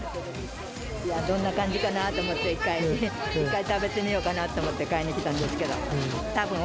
いや、どんな感じかなぁと思って、１回ね、１回食べてみようかなと思って、買いに来たんですけど。